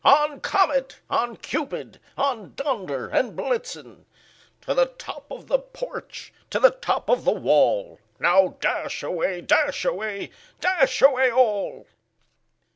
On! Comet, on! Cupid, on! Dunder and Blitzen To the top of the porch, to the top of the wall! Now, dash away, dash away, dash away all!"